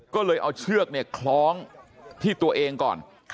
ก็เลยเอาเชือกคล้องที่ตัวเองก่อน